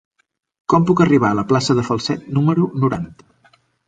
Com puc arribar a la plaça de Falset número noranta?